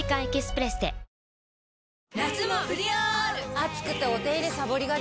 暑くてお手入れさぼりがち。